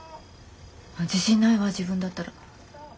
自信ないわぁ自分だったら。